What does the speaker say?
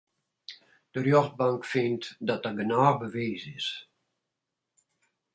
De rjochtbank fynt dat der genôch bewiis is.